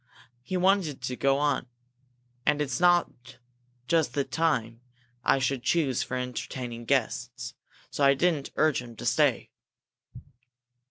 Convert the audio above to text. He wanted to go on, and it's not just the time I should choose for entertaining guests. So I didn't urge him to stay."